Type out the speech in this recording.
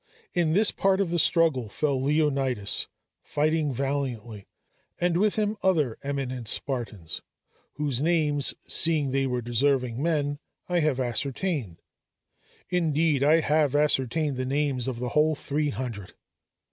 In this part of the struggle fell Leonidas, fighting valiantly, and with him other eminent Spartans, whose names, seeing they were deserving men, I have ascertained; indeed, I have ascertained the names of the whole three hundred.